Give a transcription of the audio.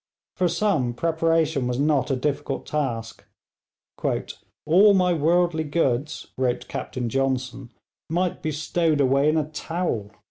For some preparation was not a difficult task. 'All my worldly goods,' wrote Captain Johnson, 'might be stowed away in a towel.'